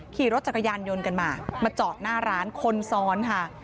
ขี่รถจักรยานยนต์กันมามาจอดหน้าร้านคนซ้อนค่ะ